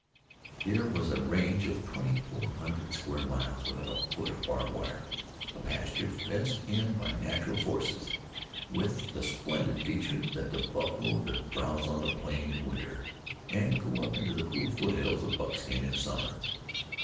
Here was a range of twenty four hundred square miles without a foot of barb wire, a pasture fenced in by natural forces, with the splendid feature that the buffalo could browse on the plain in winter, and go up into the cool foothills of Buckskin in summer.